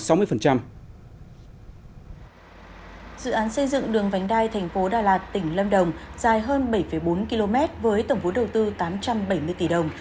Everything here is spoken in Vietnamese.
dự án xây dựng đường vánh đai thành phố đà lạt tỉnh lâm đồng dài hơn bảy bốn km với tổng vốn đầu tư tám trăm bảy mươi tỷ đồng